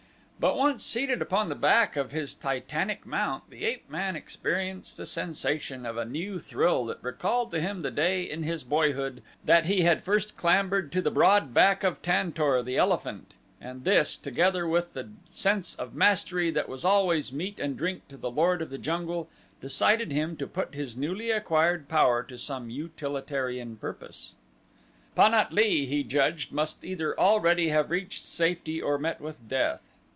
But once seated upon the back of his titanic mount the ape man experienced the sensation of a new thrill that recalled to him the day in his boyhood that he had first clambered to the broad head of Tantor, the elephant, and this, together with the sense of mastery that was always meat and drink to the lord of the jungle, decided him to put his newly acquired power to some utilitarian purpose. Pan at lee he judged must either have already reached safety or met with death.